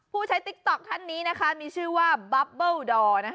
ใช้ติ๊กต๊อกท่านนี้นะคะมีชื่อว่าบับเบิลดอร์